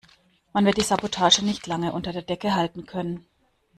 Man wird die Sabotage nicht lange unter der Decke halten können.